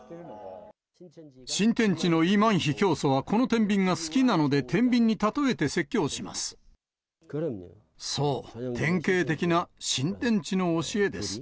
新天地のイ・マンヒ教祖は、このてんびんが好きなのでてんびんに例えて説教します。